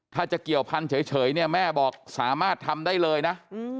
ถ้าจะเกี่ยวพันธุ์เฉยเนี่ยแม่บอกสามารถทำได้เลยนะ